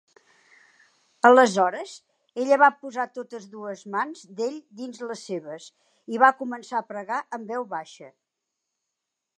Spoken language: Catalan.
Aleshores, ella va posar totes dues mans d'ell dins les seves i va començar a pregar en veu baixa.